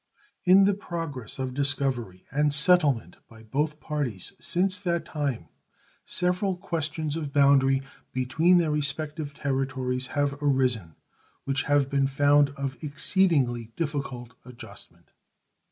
In the progress of discovery and settlement by both parties since that time several questions of boundary between their respective territories have arisen, which have been found of exceedingly difficult adjustment.